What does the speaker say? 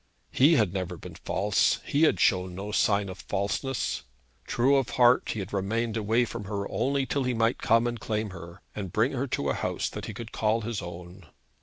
He had never been false. He had shown no sign of falseness. True of heart, he had remained away from her only till he might come and claim her, and bring her to a house that he could call his own.